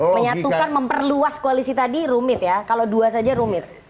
menyatukan memperluas koalisi tadi rumit ya kalau dua saja rumit